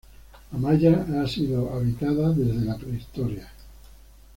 Amaya ha sido habitada desde la Prehistoria.